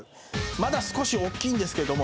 まだ少し大きいんですけども。